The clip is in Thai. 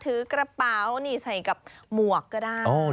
ถือกระเป๋านี่ใส่กับหมวกก็ได้